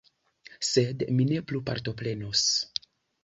Sed mi ne plu partoprenos.